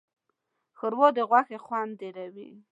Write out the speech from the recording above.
ښوروا د غوښې خوند ډېروي.